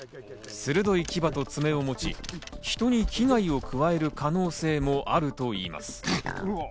鋭い牙と爪を持ち、人に危害を加える可能性もあるといいます。